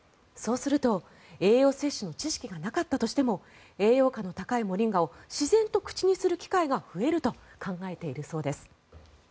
そうすると、栄養摂取の知識がなかったとしても栄養価の高いモリンガを自然と口にする機会が増えると考えているそうです。